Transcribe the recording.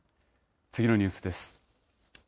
次のニュースです。